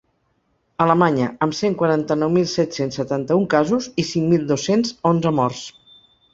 Alemanya, amb cent quaranta-nou mil set-cents setanta-un casos i cinc mil dos-cents onze morts.